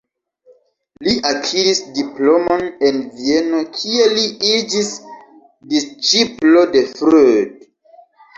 Li akiris diplomon en Vieno, kie li iĝis disĉiplo de Freud.